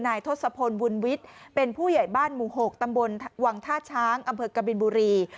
ทศพลบุญวิทย์เป็นผู้ใหญ่บ้านหมู่๖ตำบลวังท่าช้างอำเภอกบินบุรี